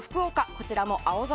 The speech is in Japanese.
こちらも青空。